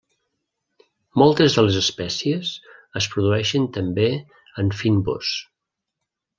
Moltes de les espècies es produeixen també en fynbos.